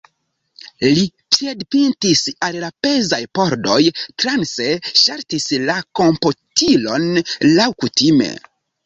Li piedpintis al la pezaj pordoj, transe ŝaltis la komputilon laŭkutime.